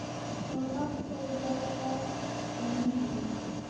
مرغان خپل ځالې ته ستنېږي.